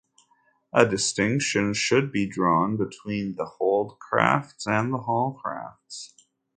A distinction should be drawn between the Hold-crafts and the Hall-crafts.